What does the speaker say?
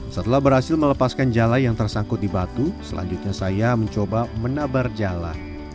setelah berhasil melepaskan jala yang tersangkut di batu selanjutnya saya mencoba menabar jala